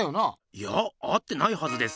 いや会ってないはずです。